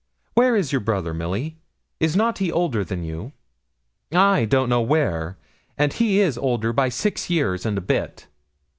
Where is your brother, Milly; is not he older than you?' 'I don't know where; and he is older by six years and a bit.'